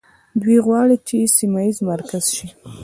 دوی غواړي چې سیمه ییز مرکز شي.